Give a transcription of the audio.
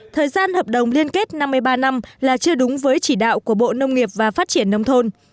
thời gian hợp đồng liên kết năm mươi ba năm là chưa đúng với chỉ đạo của bộ nông nghiệp và phát triển nông thôn